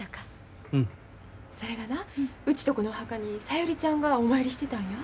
それがなうちとこのお墓に小百合ちゃんがお参りしてたんや。